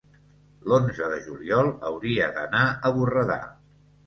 l'onze de juliol hauria d'anar a Borredà.